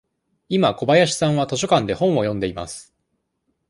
今、小林さんは図書館で本を読んでいます。